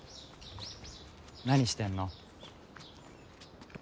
何してんの。